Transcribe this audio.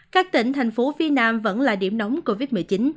các tỉnh thành phố phía nam vẫn là điểm nóng covid một mươi chín